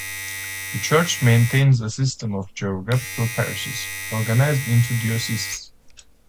The church maintains a system of geographical parishes organised into dioceses.